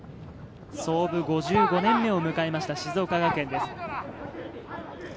創部５５年目を迎えました、静岡学園です。